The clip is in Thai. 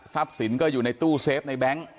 สินก็อยู่ในตู้เซฟในแบงค์